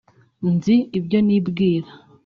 Nzi ibyo nibwira